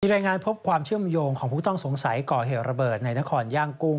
รายงานพบความเชื่อมโยงของผู้ต้องสงสัยก่อเหตุระเบิดในนครย่างกุ้ง